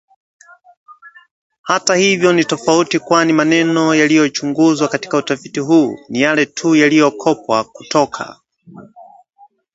Hata hivyo ni tofauti kwani maneno yaliyochunguzwa katika utafiti huu ni yale tu yaliyokopwa kutoka